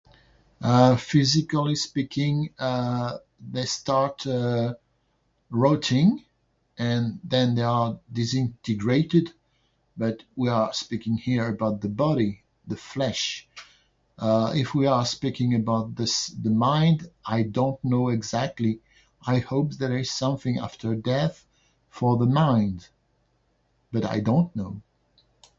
Uh, physically speaking, uh, they start, uh, rotting and then they are disintegrated. But we are speaking here about the body--the flesh. Uh, if we are speaking about the s- the mind, I don't know exactly. I hope there is something after death for the mind. But I don't know.